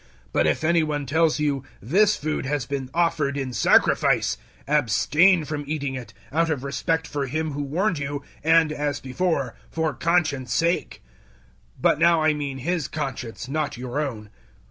010:028 But if any one tells you, "This food has been offered in sacrifice;" abstain from eating it out of respect for him who warned you, and, as before, for conscience' sake. 010:029 But now I mean his conscience, not your own.